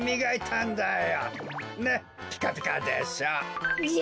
ねっピカピカでしょ？